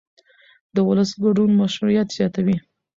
د ولس ګډون مشروعیت زیاتوي